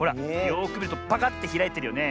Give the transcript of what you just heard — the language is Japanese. よくみるとパカッてひらいてるよね。